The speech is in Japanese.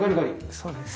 そうです。